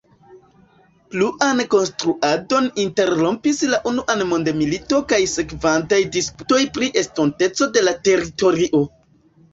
Pluan konstruadon interrompis la unua mondmilito kaj sekvantaj disputoj pri estonteco de la teritorio.